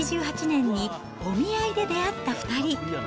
１９８８年にお見合いで出会った２人。